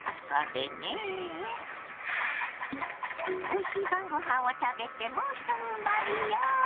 おいしい晩ごはんを食べてもうひとふんばりよ！